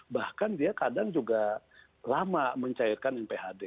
bahkan dia kadang juga lama mencairkan nphd